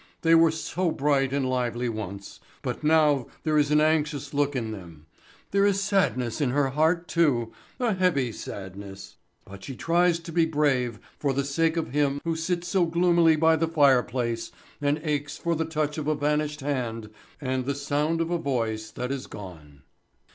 They were so bright and lively once, but now there is an anxious look in them. There is sadness in her heart, too, a heavy sadness, but she tries to be brave for the sake of him who sits so gloomily by the fire place and aches for the touch of a vanished hand and the sound of a voice that is gone.